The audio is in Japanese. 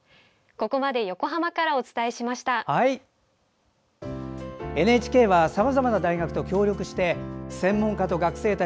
ここまで横浜からお伝えしました。